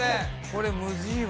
これむずいわ。